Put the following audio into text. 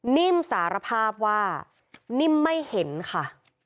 นิ่มสารภาพว่านิ่มไม่เห็นค่ะ